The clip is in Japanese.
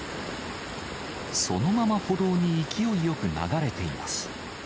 そのまま歩道に勢いよく流れています。